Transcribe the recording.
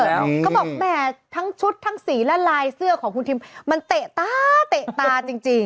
เขาบอกแหมทั้งชุดทั้งสีและลายเสื้อของคุณทิมมันเตะตาเตะตาจริง